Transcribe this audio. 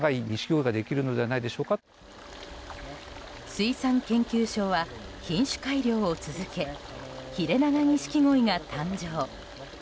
水産研究所は品種改良を続けヒレナガニシキゴイが誕生。